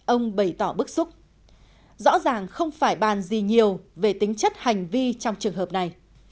ông bày tỏ bức xúc rõ ràng không phải bàn gì nhiều về tính chất hành vi trong trường hợp này